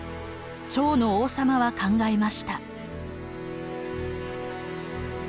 趙の王様は考えました。